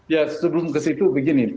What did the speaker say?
ya sebelum ke situ begini